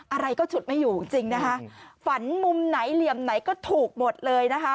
อะไรก็ฉุดไม่อยู่จริงนะคะฝันมุมไหนเหลี่ยมไหนก็ถูกหมดเลยนะคะ